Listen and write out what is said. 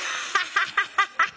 ハハハハ！